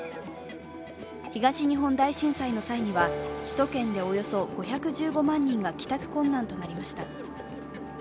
東日本大震災の際には首都圏でおよそ５１５万人が帰宅困難となりました。